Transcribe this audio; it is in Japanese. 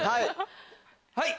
はい。